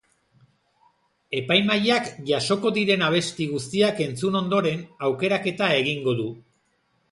Epaimahaiak jasoko diren abesti guztiak entzun ondoren, aukeraketa egingo du.